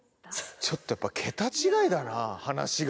ちょっとやっぱ桁違いだな話が。